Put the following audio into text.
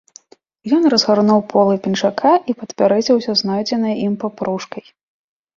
Ён разгарнуў полы пінжака і падперазаўся знойдзенай ім папружкай.